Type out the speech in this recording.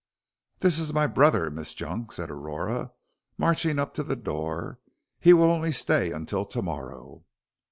"This is my brother, Miss Junk," said Aurora, marching up to the door; "he will only stay until to morrow."